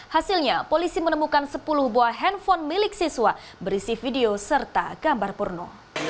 hasilnya polisi menemukan sepuluh buah handphone milik siswa berisi video serta gambar porno